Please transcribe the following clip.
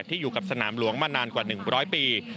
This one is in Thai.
อยู่กับสนามหลวงมานานกว่า๑๐๐ปี